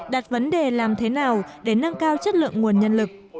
đặt vấn đề làm thế nào để nâng cao chất lượng nguồn nhân lực